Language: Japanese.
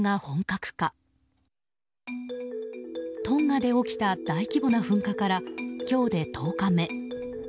トンガで起きた大規模な噴火から今日で１０日目。